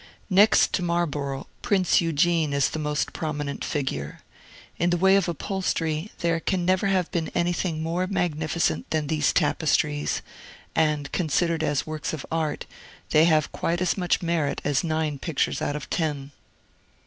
Next to Marlborough, Prince Eugene is the most prominent figure. In the way of upholstery, there can never have been anything more magnificent than these tapestries; and, considered as works of Art, they have quite as much merit as nine pictures out of ten.